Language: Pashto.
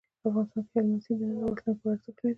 افغانستان کې هلمند سیند د نن او راتلونکي لپاره ارزښت لري.